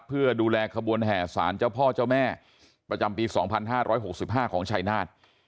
เพื่อดูแลขบวนแห่สารเจ้าพ่อเจ้าแม่ประจำปี๒๕๖๕ของชายนาฏ